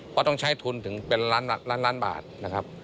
เพราะต้องใช้ทุนถึงเป็นล้านล้านบาทนะครับ